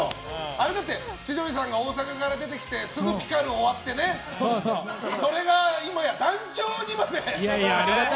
あれだって千鳥さんが大阪から出てきてすぐ「ピカル」終わってそれが今や団長にまで。